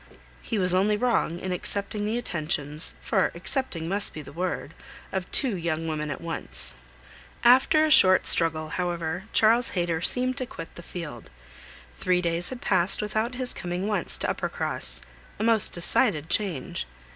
He was only wrong in accepting the attentions (for accepting must be the word) of two young women at once. After a short struggle, however, Charles Hayter seemed to quit the field. Three days had passed without his coming once to Uppercross; a most decided change.